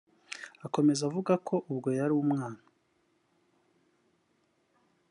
Akomeza avuga ko ubwo yari umwana